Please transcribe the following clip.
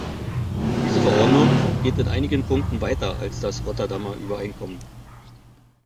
Diese Verordnung geht in einigen Punkten weiter als das Rotterdamer Übereinkommen.